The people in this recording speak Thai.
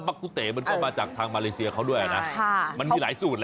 กุเต๋มันก็มาจากทางมาเลเซียเขาด้วยนะมันมีหลายสูตรอ่ะ